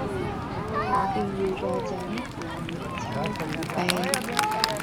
我便寓在這屋裏鈔古碑。